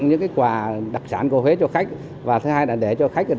những quà đặc sản của huế cho khách và thứ hai là để cho khách